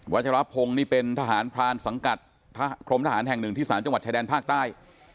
ชรพงศ์นี่เป็นทหารพรานสังกัดกรมทหารแห่งหนึ่งที่๓จังหวัดชายแดนภาคใต้